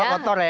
kalau motor ya